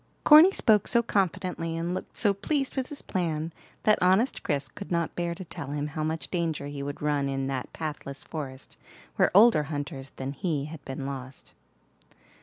Corny spoke so confidently, and looked so pleased with his plan, that honest Chris could not bear to tell him how much danger he would run in that pathless forest, where older hunters than he had been lost.